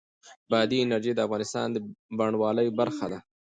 بادي انرژي د افغانستان د بڼوالۍ برخه ده.